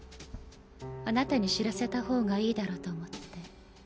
あなたに知らせたほうがいいだろうと思って。